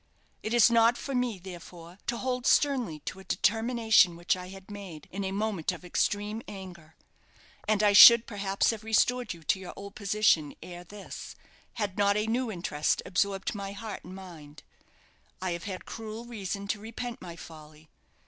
It is not for me, therefore, to hold sternly to a determination which I had made in a moment of extreme anger: and I should perhaps have restored you to your old position ere this, had not a new interest absorbed my heart and mind. I have had cruel reason to repent my folly.